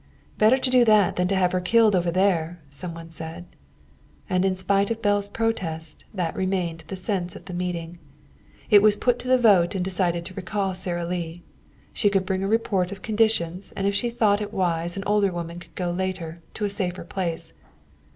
"Better to do that than to have her killed over there," some one said. And in spite of Belle's protest, that remained the sense of the meeting. It was put to the vote and decided to recall Sara Lee. She could bring a report of conditions, and if she thought it wise an older woman could go later, to a safer place.